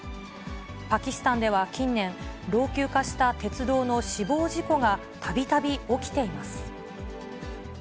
パキスタンでは近年、老朽化した鉄道の死亡事故がたびたび起きています。